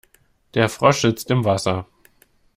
Der Frosch sitzt im Wasser.